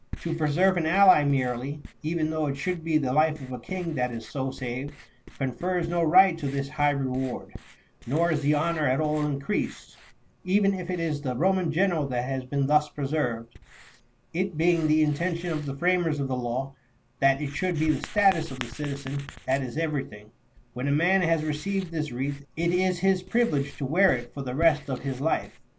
To preserve an ally merely, even though it should be the life of a king that is so saved, confers no right to this high re ward, nor is the honour at all increased, even if it is the Eoman general that has been thus preserved, it being the in tention of the framers of the law that it should be the status of the citizen that is everything. When a man has received this wreath, it is his privilege to wear it for the rest of his life.